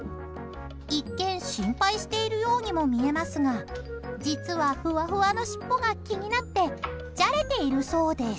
一見、心配しているようにも見えますが実は、ふわふわのしっぽが気になってじゃれているそうです。